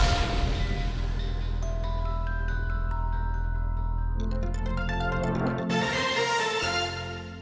สวัสดีครับ